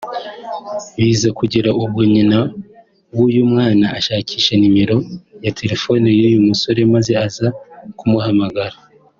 biza kugera ubwo nyina w’uyu mwana ashakisha nimero ya telefone y’uyu musore maze aza kumuhamagara